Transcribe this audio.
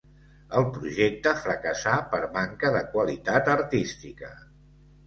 El projecte fracassà per manca de qualitat artística.